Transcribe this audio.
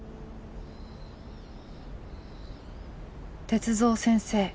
鉄三先生